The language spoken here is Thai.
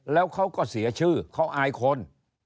แล้วเขาก็เสียชื่อเขาอายคน